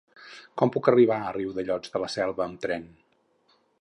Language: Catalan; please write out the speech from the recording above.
Com puc arribar a Riudellots de la Selva amb tren?